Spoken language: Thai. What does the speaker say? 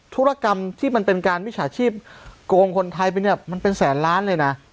ธุรกรรมที่มันเป็นการวิชาชีพโกงคนไทยไปเนี่ยมันเป็นแสนล้านเลยนะ